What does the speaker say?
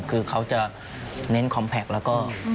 เขาจะเน้นคอมแพค